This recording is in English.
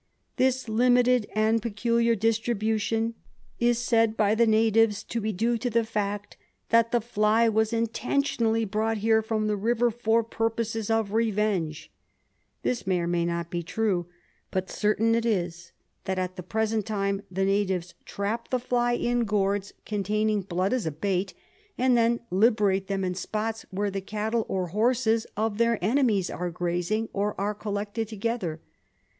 "This limited and peculiar distribution is said by the natives to be due to the fact that the fly was intentionally brought here from the river for purposes of revenge ! This may or may not be true, ... but certain it is that at the present time the natives trap the fly in gourds containing SLEEPING SICKNESS 47 blood as a bait, and then liberate them in spots where the cattle or horses of their enemies are grazing or are col lected together.